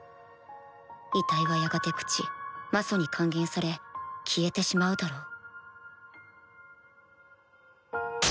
遺体はやがて朽ち魔素に還元され消えてしまうだろう